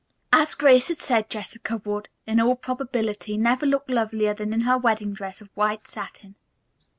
As Grace had said Jessica would, in all probability, never look lovelier than in her wedding dress of white satin.